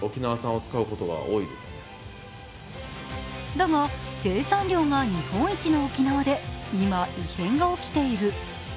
だが生産量が日本一の沖縄で今、異変が起きている。